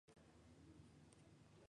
Es la cabecera de su departamento.